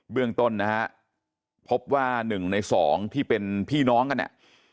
เรื่องต้นนะฮะพบว่า๑ใน๒ที่เป็นพี่น้องกันเนี่ย